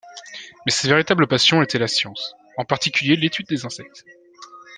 Mais sa véritable passion était la science, en particulier l'étude des insectes.